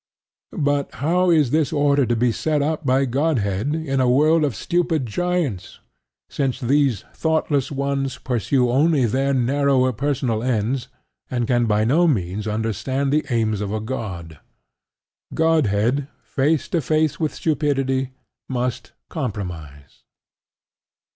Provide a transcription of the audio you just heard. But how is this order to be set up by Godhead in a world of stupid giants, since these thoughtless ones pursue only their narrower personal ends and can by no means understand the aims of a god? Godhead, face to face with Stupidity, must compromise.